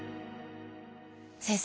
先生